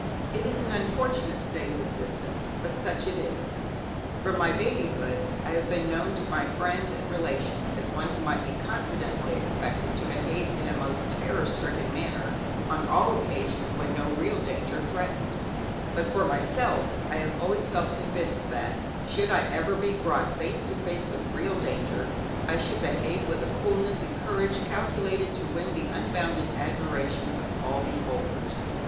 It is an unfortunate state of existence, but such it is. From my babyhood I have been known to my friends and relations as one who might be confidently expected to behave in a most terror stricken manner on all occasions when no real danger threatened; but for myself, I have always felt convinced that should I ever be brought face to face with real danger, I should behave with a coolness and courage calculated to win the unbounded admiration of all beholders.